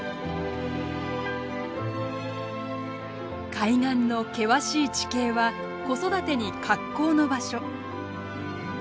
海岸の険しい地形は子育てに格好の場所。